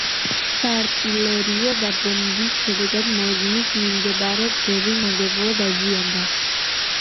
საარტილერიო დაბომბვის შედეგად მოედნის მიმდებარე ბევრი ნაგებობა დაზიანდა.